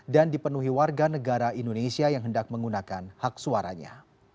dan dipenuhi warga negara indonesia yang hendak menggunakan hak suaranya